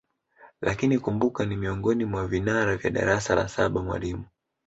Lakini kumbuka ni miongoni mwa vinara kwa darasa la saba mwalimu